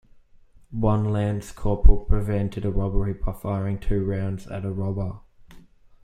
One Lance Corporal prevented a robbery by firing two rounds at a robber.